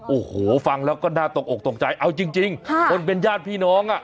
โอ้โหฟังแล้วก็น่าตกอกตกใจเอาจริงคนเป็นญาติพี่น้องอ่ะ